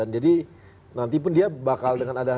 jadi nanti pun dia bakal dengan ada